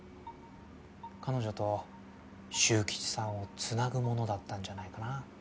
彼女と修吉さんを繋ぐものだったんじゃないかな。